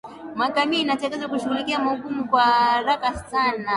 mahakama inatakiwa kushughulikia hukumu hiyo kwa haraka sana